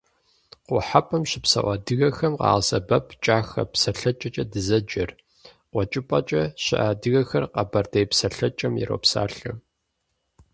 Къухьэпӏэм щыпсэу адыгэхэм къагъэсэбэп кӏахэ псэлъэкӏэкӏэ дызэджэр, къуэкӏыпӏэмкӏэ щыӏэ адыгэхэр къэбэрдей псэлъэкӏэм иропсалъэ.